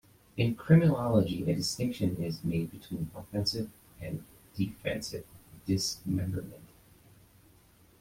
In criminology, a distinction is made between offensive and defensive dismemberment.